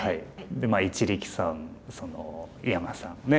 一力さん井山さんね